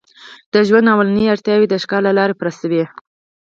د ژوند لومړنۍ اړتیاوې د ښکار له لارې پوره شوې.